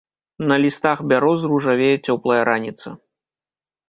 На лістах бяроз ружавее цёплая раніца.